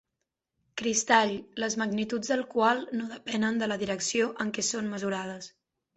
Cristall, les magnituds del qual no depenen de la direcció en què són mesurades.